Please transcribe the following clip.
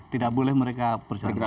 tidak boleh mereka berjalan